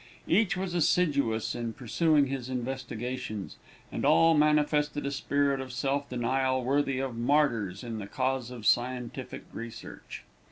Each was assiduous in pursuing his investigations, and all manifested a spirit of self denial worthy of martyrs in the cause of scientific research.